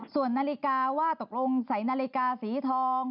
ส่วนนาฬิกาว่าตกลงใส่นาฬิกาสีทอง